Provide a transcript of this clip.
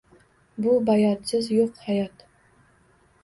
Bu bayotsiz yoʼq hayot!